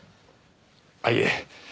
あっいえ。